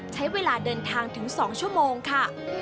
ใช้เวลาเดินทางถึง๒ชั่วโมงค่ะ